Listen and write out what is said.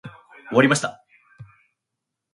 終わりました。